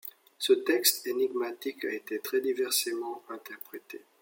Ce texte énigmatique a été très diversement interprété.